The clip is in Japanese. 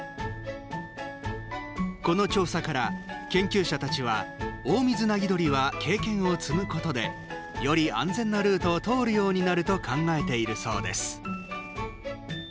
この調査から、研究者たちはオオミズナギドリは経験を積むことでより安全なルートを通るようになると考えているそうです。